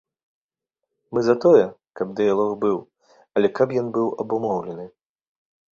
Мы за тое, каб дыялог быў, але каб ён быў абумоўлены.